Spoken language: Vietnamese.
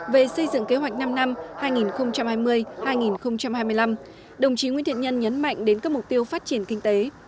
về xây dựng kế hoạch năm năm hai nghìn hai mươi hai nghìn hai mươi năm đồng chí nguyễn thiện nhân nhấn mạnh đến các mục tiêu phát triển kinh tế